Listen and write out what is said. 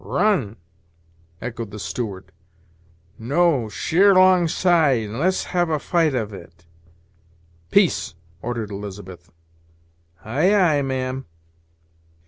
"Run!" echoed the steward; "no, sheer alongside, and let's have a fight of it." "Peace!" ordered Elizabeth. "Ay, ay, ma'am."